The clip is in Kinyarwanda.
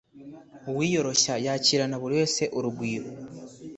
uwiyoroshya yakirana buri wese urugwiro